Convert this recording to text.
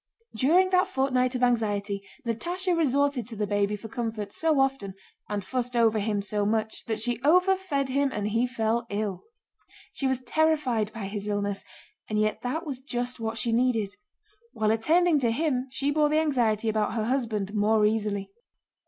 During that fortnight of anxiety Natásha resorted to the baby for comfort so often, and fussed over him so much, that she overfed him and he fell ill. She was terrified by his illness, and yet that was just what she needed. While attending to him she bore the anxiety about her husband more easily.